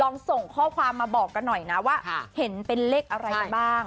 ส่งข้อความมาบอกกันหน่อยนะว่าเห็นเป็นเลขอะไรกันบ้าง